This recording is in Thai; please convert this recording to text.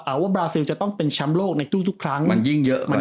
อ่าว่าบราซิลจะต้องเป็นช้ำโลกในตู้ทุกครั้งมันยิ่งเยอะกว่าเดิม